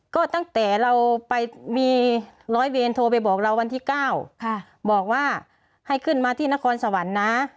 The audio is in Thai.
ก็ตั้งแต่เราไปมีร้อยเวรโทรไปบอกเราวันที่๙บอกว่าให้ขึ้นมาที่นครสวรรค์นะ